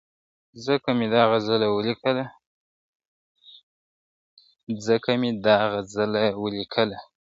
ځکه مي دا غزله ولیکله `